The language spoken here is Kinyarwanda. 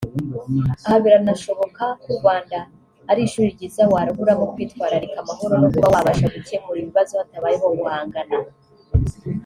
aha biranashoboka ko u Rwanda ari ishuri ryiza warahuramo kwitwararika amahoro no kuba wabasha gukemura ibibazo hatabayeho guhangana